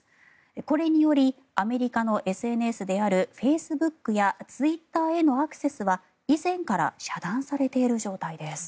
これによりアメリカのＳＮＳであるフェイスブックやツイッターへのアクセスは以前から遮断されている状態です。